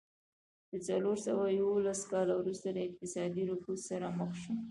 له څلور سوه یوولس کاله وروسته له اقتصادي رکود سره مخ شوه.